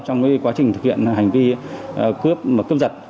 trong quá trình thực hiện hành vi cướp và cướp giật